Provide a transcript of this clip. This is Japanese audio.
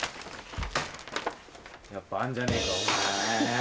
やっぱあんじゃねえかお前。